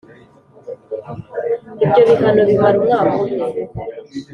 Ibyo bihano bimara umwaka umwe